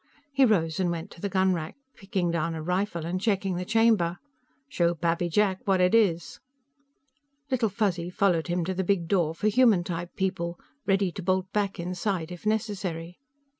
He rose and went to the gunrack, picking down a rifle and checking the chamber. "Show Pappy Jack what it is." Little Fuzzy followed him to the big door for human type people, ready to bolt back inside if necessary.